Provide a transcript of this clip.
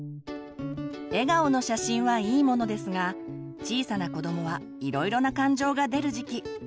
笑顔の写真はいいものですが小さな子どもはいろいろな感情が出る時期。